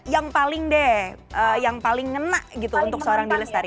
yang paling deh yang paling ngena gitu untuk seorang d lestari